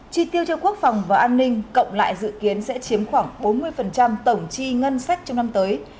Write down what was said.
chi tiêu cho quốc phòng và an ninh cộng lại dự kiến sẽ chiếm khoảng bốn mươi tổng chi ngân sách trong năm tới